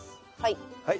はい。